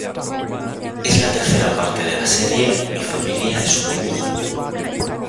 Es la tercera parte de la serie "Mi familia es un dibujo".